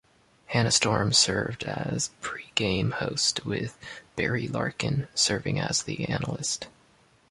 Hannah Storm served as pre-game host with Barry Larkin serving as the analyst.